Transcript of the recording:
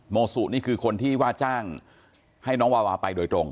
โมสุนี่คือคนที่ว่าจ้างให้น้องวาวาไปโดยตรง